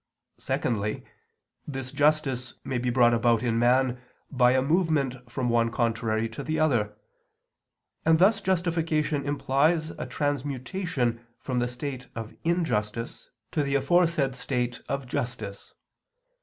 Secondly, this justice may be brought about in man by a movement from one contrary to the other, and thus justification implies a transmutation from the state of injustice to the aforesaid state of justice.